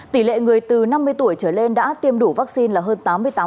tỷ lệ người từ năm mươi tuổi trở lên đã tiêm đủ vaccine là hơn tám mươi tám